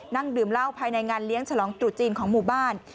นั่งดื่มเหล้าภายในงานเลี้ยงฉลองตรุษจีนของหมู่บ้าน